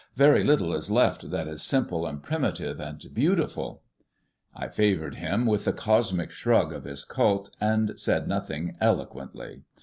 "Very little is left that is simple and primitive and beautiful." I favoured him with the cosmic shrug of his cult, and said nothing eloquently.